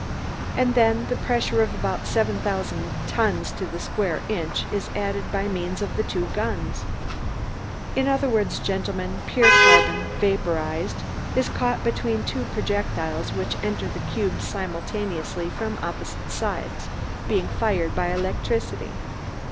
And then the pressure of about seven thousand tons to the square inch is added by means of the two guns. In other words, gentlemen, pure carbon, vaporized, is caught between two projectiles which enter the cube simultaneously from opposite sides, being fired by electricity.